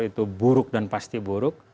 itu buruk dan pasti buruk